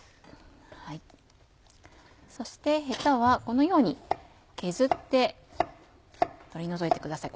そしてヘタはこのように削って取り除いてください。